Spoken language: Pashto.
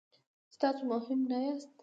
چې تاسو مهم نه یاست.